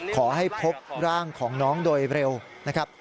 พบร่างของน้องโดยเร็วนะครับ